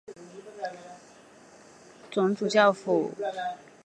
总主教府位于贝内文托老城区的主教座堂广场和奥尔西尼广场。